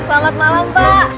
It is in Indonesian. selamat malam pak